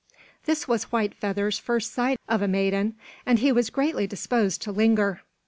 This was White Feather's first sight of a maiden, and he was greatly disposed to linger.